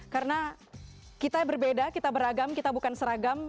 karena kita berbeda kita beragam kita bukan seragam